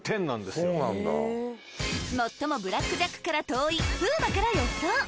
最もブラックジャックから遠い風磨から予想